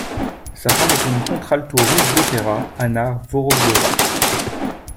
Sa femme était une contralto russe d'opéra, Anna Vorobiova.